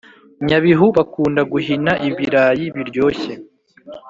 nyabihu bakunda guhina ibirayi biryoshye